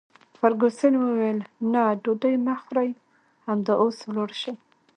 فرګوسن وویل: نه، ډوډۍ مه خورئ، همدا اوس ولاړ شئ.